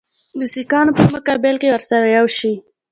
د سیکهانو په مقابل کې ورسره یو شي.